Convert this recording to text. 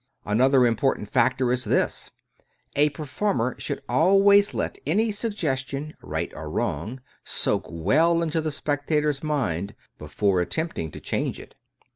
Another important factor is this: A performer should always let any suggestion, right or wrong, soak well into the spectator's mind before attempting to change it.